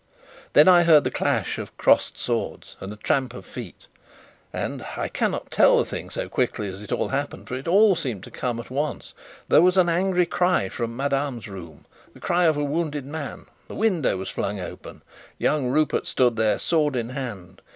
Then I heard the clash of crossed swords and a tramp of feet and I cannot tell the thing so quickly as it happened, for all seemed to come at once. There was an angry cry from madame's room, the cry of a wounded man; the window was flung open; young Rupert stood there sword in hand.